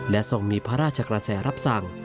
และทรงมีพระราชกระแสรับสั่ง